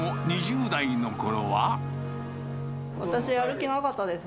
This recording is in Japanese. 私、やる気なかったです。